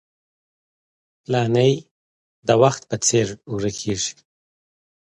پاڼې د وخت په څېر ورکېږي